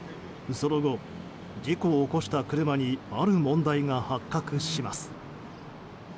その後、事故を起こした車にある問題が発覚します。